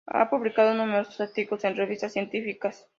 Ha publicado numerosos artículos en revistas científicas.